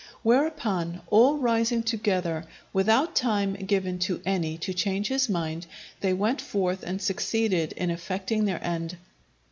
Whereupon, all rising together, without time given to any to change his mind, they went forth and succeeded in effecting their end.